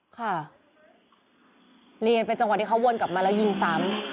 ค่ะเรียนเป็นจังหวะที่เขาวนกลับมาแล้วยิงซ้ำ